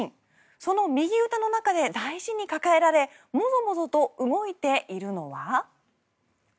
その右腕の中で大事に抱えられモゾモゾと動いているのは。